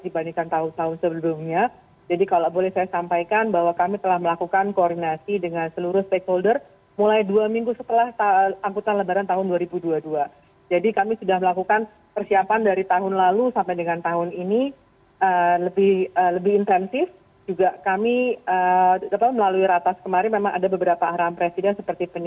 pak presiden dalam kunjungannya menyampaikan apresiasi kepada manajer